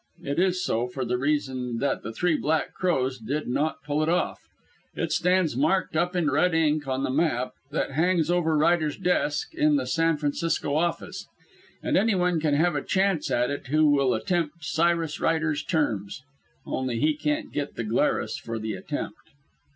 It is so, for the reason that the Three Black Crows did not pull it off. It still stands marked up in red ink on the map that hangs over Ryder's desk in the San Francisco office; and any one can have a chance at it who will meet Cyrus Ryder's terms. Only he can't get the Glarus for the attempt.